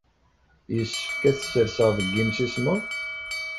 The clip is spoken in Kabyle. Yessefk ad t-sserseɣ deg yimsismeḍ?